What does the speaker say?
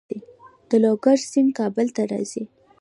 د لوګر سیند کابل ته راځي